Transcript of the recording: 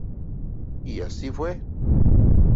Y así fue.